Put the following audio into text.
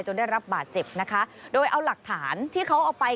ได้รับบาดเจ็บนะคะโดยเอาหลักฐานที่เขาเอาไป